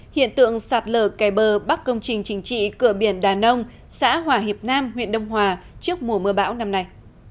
hiện tượng sạt lở kè bờ bắc công trình chính trị cửa biển đà nông xã hòa hiệp nam huyện đông hòa trước mùa mưa bão năm nay